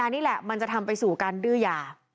นี่แหละมันจะทำไปสู่การดื้อยา